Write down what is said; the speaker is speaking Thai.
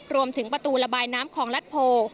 รวมถึงประตูระบายน้ำของรัฐโพร